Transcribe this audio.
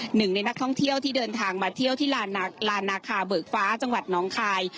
หนึ่งในนักท่องเที่ยวที่เดินทางมาเที่ยวที่ลานนาคาเบิกฟ้าจังหวัดน้องคาย